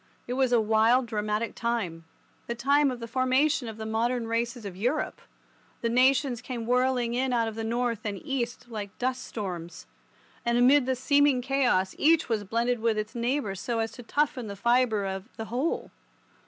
It was a wild, dramatic time—the time of the formation of the modern races of Europe. The nations came whirling in out of the north and east like dust storms, and amid the seeming chaos each was blended with its neighbour so as to toughen the fibre of the whole.